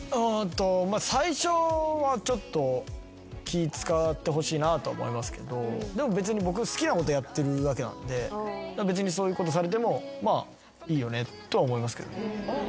最初はちょっと気ぃ使ってほしいなと思いますけどでも別に僕好きなことやってるだけなんで別にそういうことされてもまあいいよねとは思いますけど。